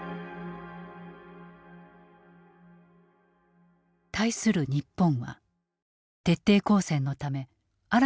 対する日本は徹底抗戦のため新たな戦略を打ち立てていた。